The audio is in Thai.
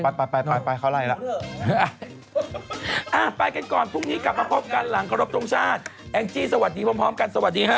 เดี๋ยวให้แอ็งจี้หามาฝึกงานซักคน